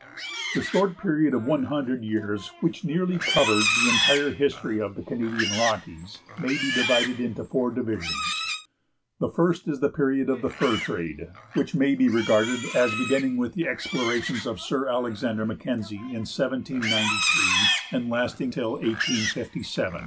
The short period of one hundred years which nearly covers the entire history of the Canadian Rockies may be divided into four divisions. The first is the period of the fur trade, which may be regarded as beginning with the explorations of Sir Alexander Mackenzie in 1793, and lasting till 1857.